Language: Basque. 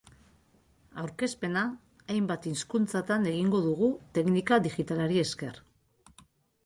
Aurkezpena hainbat hizkuntzatan egingo dugu, teknika digitalari esker.